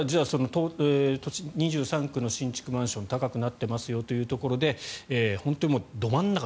２３区の新築マンション高くなっていますよというところで本当にど真ん中。